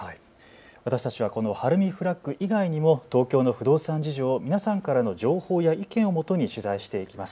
私たちはこのＨＡＲＵＭＩＦＬＡＧ以外にも東京の不動産事情を皆さんからの情報や意見をもとに取材していきます。